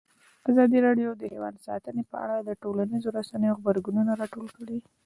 ازادي راډیو د حیوان ساتنه په اړه د ټولنیزو رسنیو غبرګونونه راټول کړي.